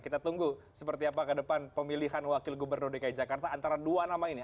kita tunggu seperti apa ke depan pemilihan wakil gubernur dki jakarta antara dua nama ini